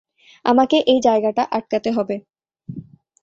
আমাকে এ জায়গাটা আটকাতে হবে।